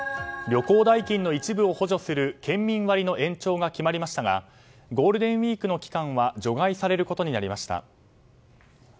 旅行代金の一部を補助する県民割の延長が決まりましたがゴールデンウィークの期間は除外されることになりました。